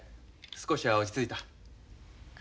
少しは落ち着いた？